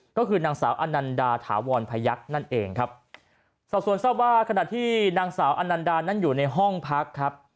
ก็คือนางสาวอนันดาถาวรพยักษ์นั่นเองครับสอบส่วนทราบว่าขณะที่นางสาวอนันดานั้นอยู่ในห้องพักครับ